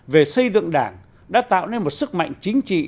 về xây dựng đảng đã tạo nên một sức mạnh chính trị